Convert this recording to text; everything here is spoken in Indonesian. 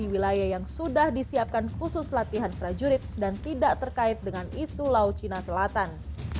di wilayah yang sudah disiapkan khusus latihan prajurit dan tidak terkait dengan isu laut cina selatan